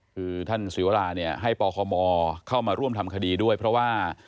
คือท่านศิวราเนี่ยให้ปคมเข้ามาร่วมทำคดีด้วยเพราะว่า